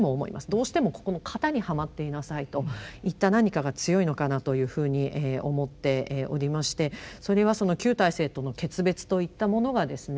どうしてもここの型にはまっていなさいといった何かが強いのかなというふうに思っておりましてそれは旧体制との決別といったものがですね